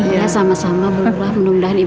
iya sama sama bu nurah